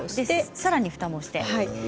さらに、ふたもして。